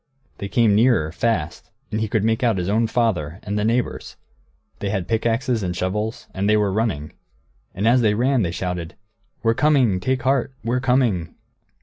They came nearer, fast, and he could make out his own father, and the neighbours. They had pickaxes and shovels, and they were running. And as they ran they shouted, "We're coming; take heart, we're coming!"